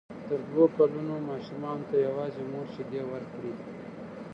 تر دوو کلونو ماشومانو ته یوازې مور شیدې ورکړئ.